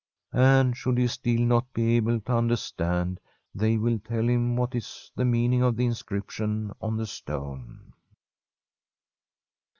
And should he still not be able to understand, they will tell him what is the meaning of the in scription on the stone.